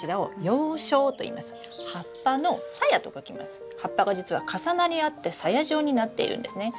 葉っぱが実は重なり合って鞘状になっているんですね。